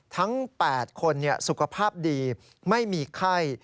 ทั้ง๘คนสุขภาพดีไม่มีไข้